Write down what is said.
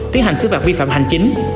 tiến hành xứ vạc vi phạm hành chính